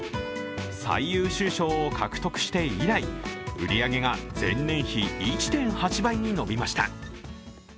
最優秀賞を獲得して以来、売り上げが前年比１．８倍に伸びました。